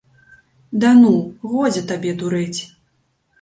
Да ну, годзе табе дурэць.